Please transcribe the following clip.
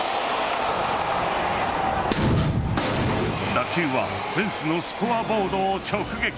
打球はフェンスのスコアボードを直撃。